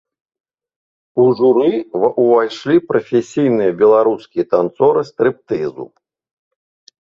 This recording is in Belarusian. У журы ўвайшлі прафесійныя беларускія танцоры стрыптызу.